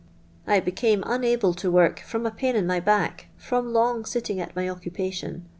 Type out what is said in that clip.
I became unable to work from a pain in my back, from long sitting at my occupation.